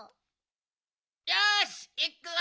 よしいくぞ。